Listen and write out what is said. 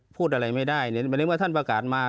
พูดอะไรไม่ได้ในเมื่อท่านประกาศมา